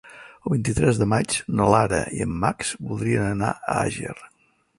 El vint-i-tres de maig na Lara i en Max voldrien anar a Àger.